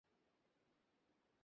সে রাত্রি এমনি করিয়া কাটিয়া গেল।